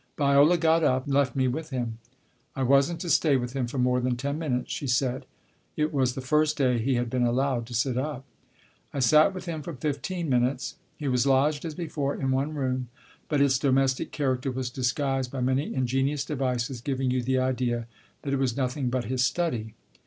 Viola got up and left me with him. I wasn't to stay with him for more than ten minutes, she said. It was the first day he had been allowed to sit up. I sat with him for fifteen minutes. He was lodged, as before, in one room ; but its domestic character was disguised by many ingenious devices giving you the idea that it was nothing but his study.